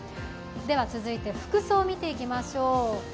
続いて服装見ていきましょう。